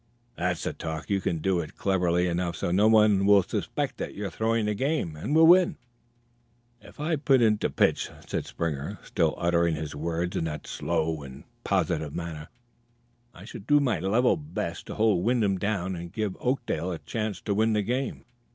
"That's the talk! You can do it cleverly enough so no one will suspect that you're throwing the game, and we'll win " "If I'm put in to pitch," said Springer, still uttering his words in that slow and positive manner, "I shall do my level best to hold Wyndham down and give Oakdale a chance to win the game."